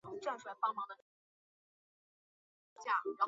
时尚和纺织品博物馆是一所在英国南伦敦的流行博物馆。